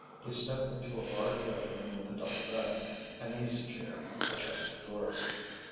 He stepped into a large bedroom with a double bed, an easy chair, a chest of drawers.